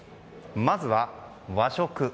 まずは和食。